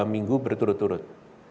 dua minggu berturut turut